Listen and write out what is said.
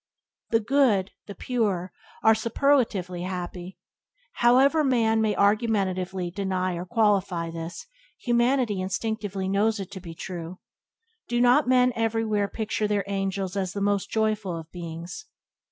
The good, the pure, are the superlatively happy. However men may argumentatively deny or qualify this, humanity instinctively knows it to be true. Do not men everywhere picture their angels as the most joyful of beings?